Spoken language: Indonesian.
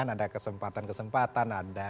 ada kesempatan kesempatan ada